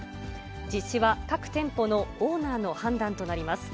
実施は各店舗のオーナーの判断となります。